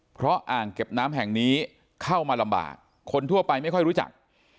เพราะอ่างเก็บน้ำแห่งนี้เข้ามาลำบากคนทั่วไปไม่ค่อยรู้จัก